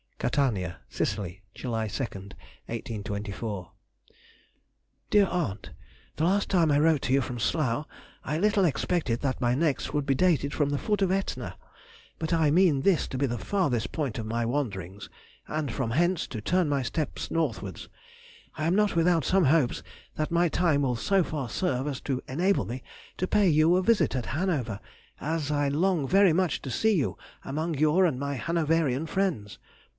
CATANIA (SICILY), July 2, 1824. DEAR AUNT,— The last time I wrote to you from Slough I little expected that my next would be dated from the foot of Etna—but I mean this to be the farthest point of my wanderings, and from hence to turn my steps northwards. I am not without some hopes that my time will so far serve as to enable me to pay you a visit at Hanover, as I long very much to see you among your and my Hanoverian friends....